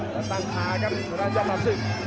ซักตั้งพาครับทุนล่างยาวมันสู่